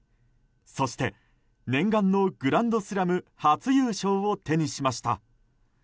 そして、念願のグランドスラム初優勝を手にしました。